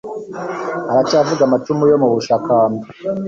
aracyavuga amacumu yo mu bashakamba